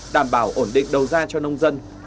đảm bảo ổn định đầu ra cho nông dân